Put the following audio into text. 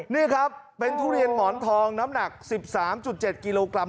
นี่ครับเป็นทุเรียนหมอนทองน้ำหนัก๑๓๗กิโลกรัม